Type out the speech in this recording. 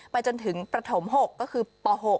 จนถึงประถม๖ก็คือป๖